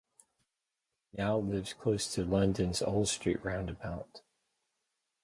He now lives close to London's Old Street roundabout.